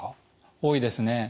多いですね。